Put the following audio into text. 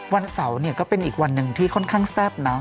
วันเสาร์เนี่ยก็เป็นอีกวันหนึ่งที่ค่อนข้างแซ่บนะ